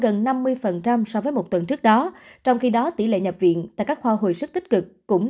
gần năm mươi so với một tuần trước đó trong khi đó tỷ lệ nhập viện tại các khoa hồi sức tích cực cũng